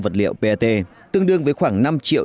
vật liệu pet tương đương với khoảng năm triệu